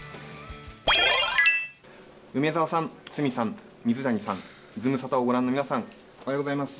梅澤さん、鷲見さん、水谷さん、ズムサタをご覧の皆さん、おはようございます。